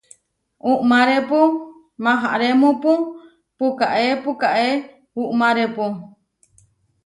Uʼmárepu maharémupu puʼkáe puʼkáe uʼmárepu.